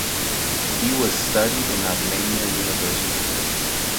He was studied in Osmania University.